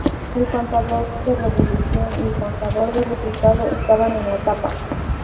El contador de revolución y el contador de resultado estaban en la tapa.